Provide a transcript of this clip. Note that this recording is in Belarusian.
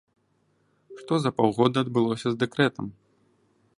Што за паўгода адбылося з дэкрэтам?